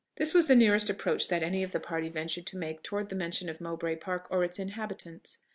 This was the nearest approach that any of the party ventured to make towards the mention of Mowbray Park or its inhabitants.